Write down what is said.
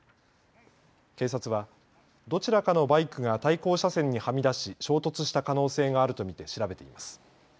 警察はどちらかのバイクが対向車線にはみ出し衝突した可能性があると見て調べています。